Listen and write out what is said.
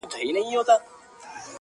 نه به زه یم نه به ته نه دا وطن وي -